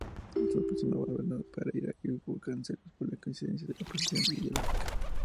Se aproximaba a Bernardo Pereira de Vasconcelos, por la coincidencia de la posición ideológica.